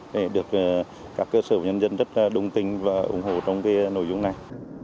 để được các cơ sở nhân dân rất đồng tình và ủng hộ trong nội dung này